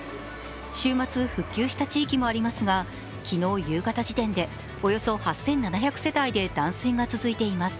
週末、復旧した地域もありますが昨日夕方時点でおよそ８７００世帯で断水が続いています。